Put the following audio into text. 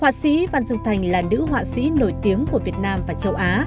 họa sĩ văn dương thành là nữ họa sĩ nổi tiếng của việt nam và châu á